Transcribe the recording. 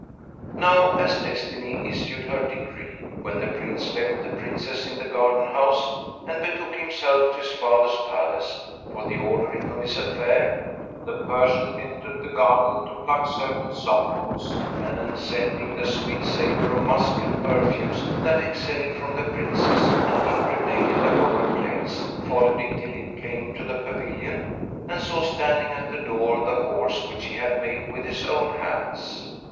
Now, as Destiny issued her decree, when the Prince left the Princess in the garden house and betook himself to his father's palace, for the ordering of his affair, the Persian entered the garden to pluck certain simples and, scenting the sweet savour of musk and perfumes that exhaled from the Princess and impregnated the whole place, followed it till he came to the pavilion and saw standing at the door the horse which he had made with his own hands.